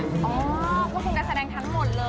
ควบคุมการแสดงทั้งหมดเลย